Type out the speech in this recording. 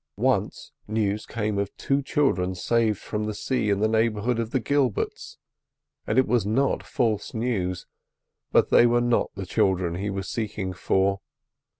Once news came of two children saved from the sea in the neighbourhood of the Gilberts, and it was not false news, but they were not the children he was seeking for.